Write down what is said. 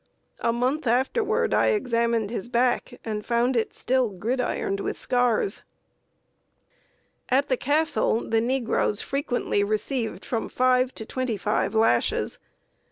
A month afterward I examined his back, and found it still gridironed with scars. At the Castle the negroes frequently received from five to twenty five lashes.